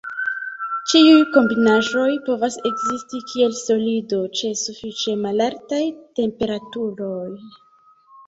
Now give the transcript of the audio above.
Ĉiuj kombinaĵoj povas ekzisti kiel solido, ĉe sufiĉe malaltaj temperaturoj.